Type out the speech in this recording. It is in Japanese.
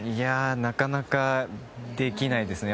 なかなかできないですね。